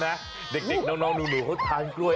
ใช่ไหมเด็กน้องหนูเขาทานกล้วย